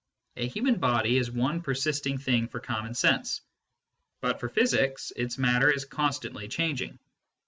A human body is one persisting thing for common sense, but for physics its matter is constantly changing.